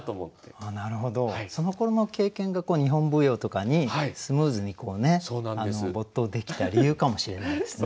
なるほどそのころの経験が日本舞踊とかにスムーズに没頭できた理由かもしれないですね。